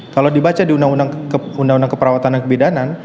ketika sudah bisa di undang undang keperawatan dan kebidanan